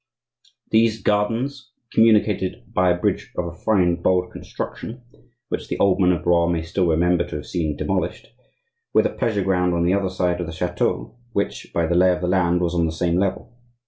These gardens communicated, by a bridge of a fine, bold construction (which the old men of Blois may still remember to have seen demolished) with a pleasure ground on the other side of the chateau, which, by the lay of the land, was on the same level.